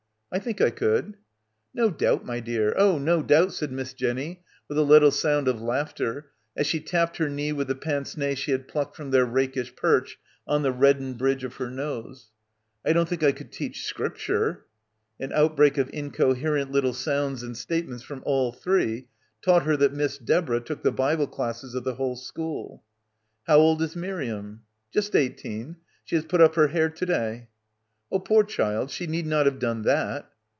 "I think I could." "No doubt, my dear, oh, no doubt," said Miss — 11 — PILGRIMAGE Jenny with a little sound of laughter as she tapped her knee with the pince nez she had plucked from their rakish perch on the reddened bridge of her nose. "I don't think I could teach Scripture." An outbreak of incoherent little sounds and statements from all three taught her that Miss Deborah took the Bible classes of the whole school. "How old is Miriam?" "Just eighteen. She has put up her hair to day." "Oh, poor child, she need not have done that."